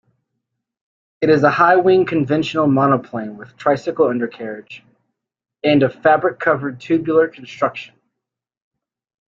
It is a high-wing conventional monoplane with tricycle undercarriage, and of fabric-covered tubular construction.